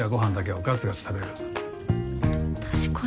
確かに。